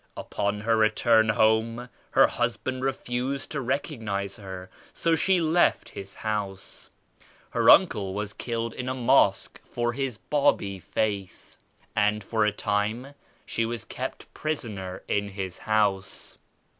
Upon her (8 return home, her husband refused to recognize her, so she left his house. Her uncle was killed in a Mosque for his Babi faith and for a time she was kept prisoner in his house.